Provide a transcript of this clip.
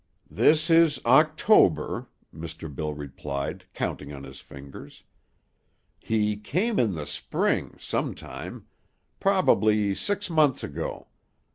"This is October," Mr. Bill replied, counting on his fingers. "He came in the spring, some time; probably six months ago.